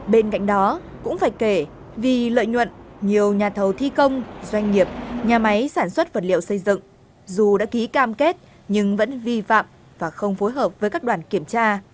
bên cạnh đó cũng phải kể vì lợi nhuận nhiều nhà thầu thi công doanh nghiệp nhà máy sản xuất vật liệu xây dựng dù đã ký cam kết nhưng vẫn vi phạm và không phối hợp với các đoàn kiểm tra